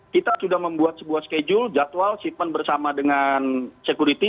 kita sudah membuat sebuah schedule jadwal bersama dengan sekuriti